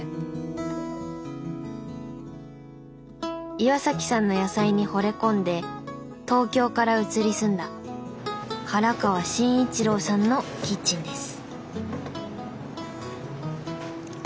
岩さんの野菜にほれ込んで東京から移り住んだ原川慎一郎さんのキッチンです。